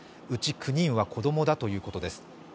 うち９人は子供だということです。